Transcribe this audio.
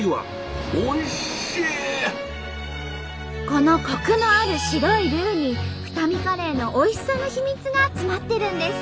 このコクのある白いルーに二海カレーのおいしさの秘密が詰まってるんです。